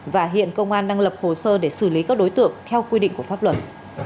và hiện công an đang lập hồ sơ để xử lý các đối tượng theo quy định của pháp luật